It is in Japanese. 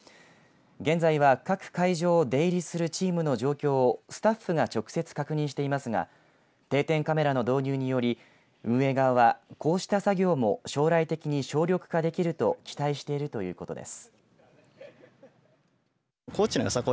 現在は各会場を出入りするチームの状況をスタッフが直接確認していますが定点カメラの導入により運営側はこうした作業も将来的に省力化できると期待しているということです。